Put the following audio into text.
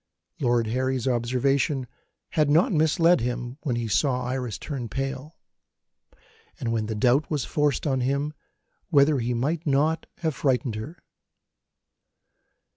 Lord Harry's observation had not misled him, when he saw Iris turn pale, and when the doubt was forced on him whether he might not have frightened her.